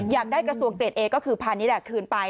อยากได้กระทรวงเกรดเอก็คือพาณิชย์คืนไป